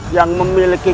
yang memiliki kasiat